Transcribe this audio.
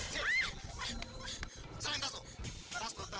serangin tas gua